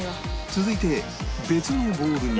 続いて別のボウルに